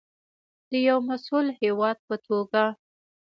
د یو مسوول هیواد په توګه.